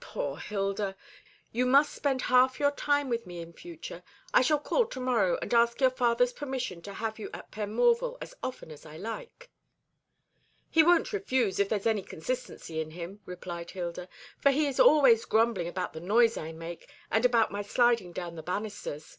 "Poor Hilda, you must spend half your time with me in future. I shall call to morrow, and ask your father's permission to have you at Penmorval as often as I like." "He won't refuse, if there's any consistency in him," replied Hilda, "for he is always grumbling about the noise I make, and about my sliding down the banisters.